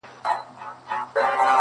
په پای کي شپږمه ورځ هم بې پايلې تېريږي,